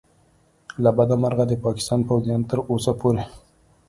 له بده مرغه د پاکستان پوځیانو تر اوسه پورې